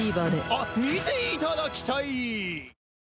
あっ見ていただきたい！